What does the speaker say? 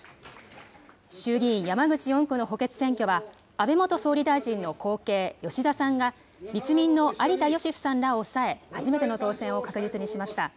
衆議院山口４区の補欠選挙は安倍元総理大臣の後継、吉田さんが、立民の有田芳生さんらを抑え、初めての当選を確実にしました。